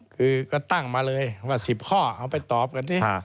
คือก็ตั้งมาเลยว่า๑๐ข้อเอาไปตอบกันสิ